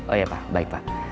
oh ya pak baik pak